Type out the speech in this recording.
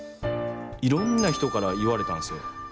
いろんな人から言われたんすよ。